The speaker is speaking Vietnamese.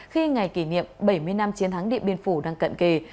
khi ngày kỷ niệm bảy mươi năm chiến thắng điện biên phủ đang cận kề